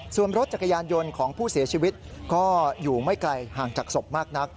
ส่วนรถจักรยานยนต์ของผู้เสียชีวิตก็อยู่ไม่ไกลห่างจากศพมากนัก